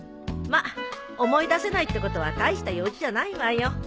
まっ思い出せないってことは大した用事じゃないわよ。